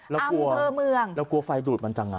แล้วกลัวไฟดูดมันจัง